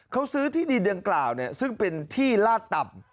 เขาซื้อที่ดินดังกล่าวซึ่งเป็นที่ลาดต่ำ